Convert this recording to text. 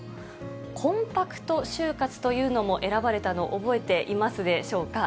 コンパクト終活というのも選ばれたの、覚えていますでしょうか。